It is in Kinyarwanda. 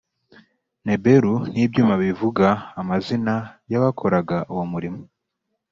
nebelu n ibyuma bivuga Amazina y abakoraga uwo murimo